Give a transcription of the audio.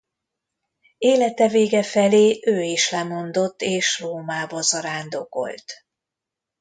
Élete vége felé ő is lemondott és Rómába zarándokolt.